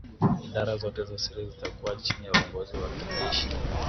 idara zote za serikali zitakuwa chini ya uongozi wa kijeshi